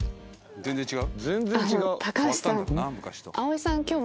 全然違う。